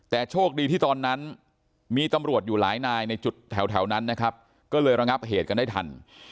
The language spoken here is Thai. แต่โชคดีที่ตอนนั้นมีตำรวจอยู่หลายนายในจุดแถวนั้นนะครับก็เลยระงับเหตุกันได้ทัน